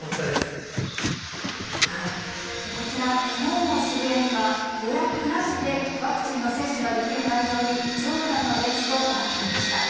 こちら、きのうも渋谷には予約なしでワクチンの接種ができる会場に、長蛇の列となっていました。